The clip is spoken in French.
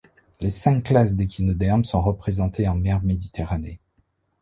Les cinq classes d'échinodermes sont représentées en mer Méditerranée.